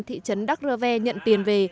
thị trấn đắc rờ ve nhận tiền về